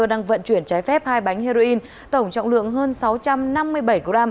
đang vận chuyển trái phép hai bánh heroin tổng trọng lượng hơn sáu trăm năm mươi bảy g